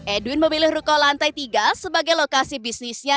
edwin memilih ruko lantai tiga sebagai lokasi bisnisnya